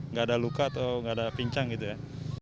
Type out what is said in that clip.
nggak ada luka atau nggak ada pincang gitu ya